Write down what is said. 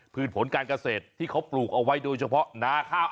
ผลการเกษตรที่เขาปลูกเอาไว้โดยเฉพาะนาข้าว